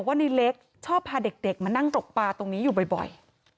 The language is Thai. ว่าในเล็กชอบพาเด็กมานั่งตกปลาตรงนี้อยู่บ่อย